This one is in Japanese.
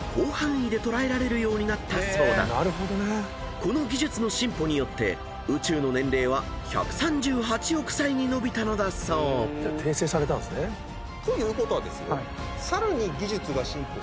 ［この技術の進歩によって宇宙の年齢は１３８億歳に延びたのだそう］ということはですよさらに。